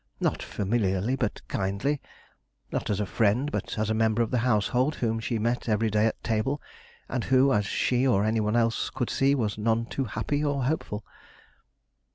Not familiarly, but kindly; not as a friend, but as a member of the household whom she met every day at table, and who, as she or any one else could see, was none too happy or hopeful.